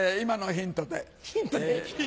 ヒントで？